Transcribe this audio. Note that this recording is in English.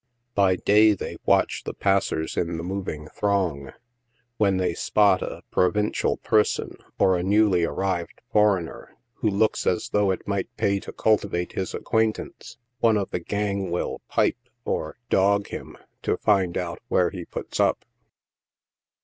By day, they watch the passers in the mov ing throng ; when they "spot" a provincial person, or a newly ar rived foreigner, who looks as though it might pay to cultivate his acquaintance, one of the gang will " pipe" or " dog" him, to find out where he puts up.